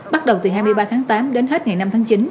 bắt đầu từ hai mươi ba tháng tám đến hết ngày năm tháng chín